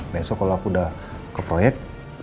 besok kalau aku udah ke proyek